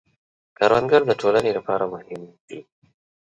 کروندګر د ټولنې لپاره مهم دی